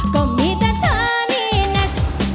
ก็มีแต่เธอนี่นะ